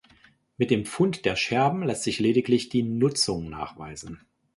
Mit dem Fund der Scherben lässt sich lediglich die Nutzung nachweisen.